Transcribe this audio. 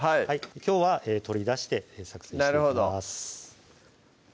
きょうは取り出して作成していきます